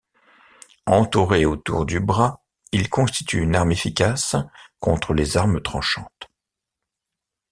Entouré autour du bras, il constitue une arme efficace contre les armes tranchantes.